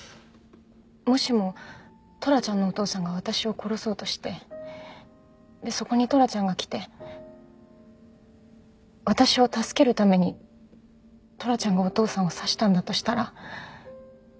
もしもトラちゃんのお父さんが私を殺そうとしてでそこにトラちゃんが来て私を助けるためにトラちゃんがお父さんを刺したんだとしたら。